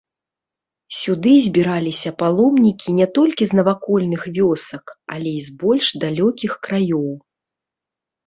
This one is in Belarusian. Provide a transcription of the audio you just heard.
Сюды збіраліся паломнікі не толькі з навакольных вёсак, але і з больш далёкіх краёў.